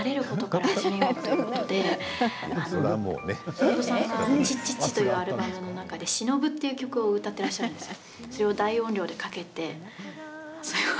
しのぶさんが「ち・ち・ち」というアルバムの中で「しのぶ」っていう曲を歌ってらっしゃるんですよ。